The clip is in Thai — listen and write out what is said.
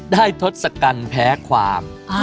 ได้ทศกรรมแพ้ความ